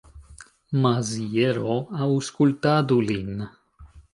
Maziero, aŭskultadu lin.